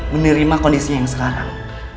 menerima kondisinya yang sekarang